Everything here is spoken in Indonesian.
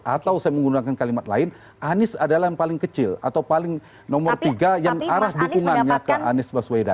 atau saya menggunakan kalimat lain anies adalah yang paling kecil atau paling nomor tiga yang arah dukungannya ke anies baswedan